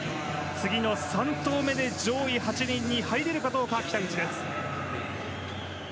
次の３投目で上位８人に入れるか北口。